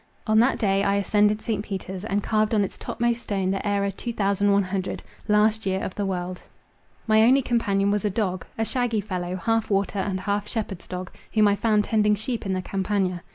On that day I ascended St. Peter's, and carved on its topmost stone the aera 2100, last year of the world! My only companion was a dog, a shaggy fellow, half water and half shepherd's dog, whom I found tending sheep in the Campagna.